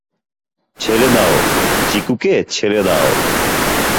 ছেড়ে দাও, চিকুকে ছেড়ে দাও।